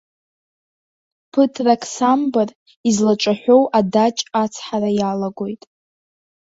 Ԥыҭрак самбар, излаҿаҳәоу адаҷ ацҳара иалагоит.